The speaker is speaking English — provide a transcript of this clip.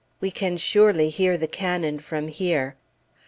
We can surely hear the cannon from here.